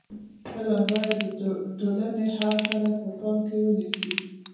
فلم باید د ټولنې هر غړی په پام کې ونیسي